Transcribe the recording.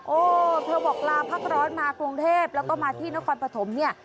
เออเธอบอกลาพักร้อนมากรุงเทพแล้วก็มาที่นครปฐมเนี่ย